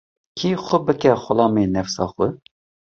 Kî xwe bike xulamê nefsa xwe